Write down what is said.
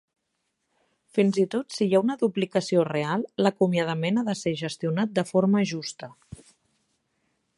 Fins-i-tot si hi ha una duplicació real, l"acomiadament ha de ser gestionat de forma justa.